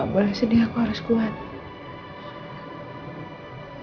baik sendiri aku harus kuat